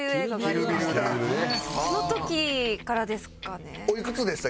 あの時からですかね。